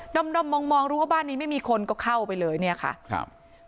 ด้อมด้อมมองรู้ว่าบ้านนี้ไม่มีคนก็เข้าไปเลยค่ะครับ